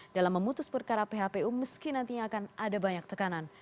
dalam memutus perkara phpu meski nantinya akan ada banyak tekanan